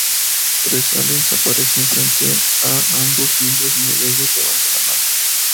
Tres aliens aparecen frente a ambos mientras uno de ellos levanta la mano.